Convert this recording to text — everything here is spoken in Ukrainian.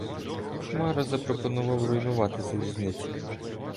Хмара запропонував руйнувати залізницю.